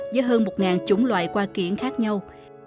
với hơn một ngàn chủng loại qua kiển khác nhau